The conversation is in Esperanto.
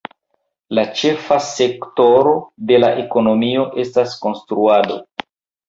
La ĉefa sektoro de la ekonomio estas konstruado.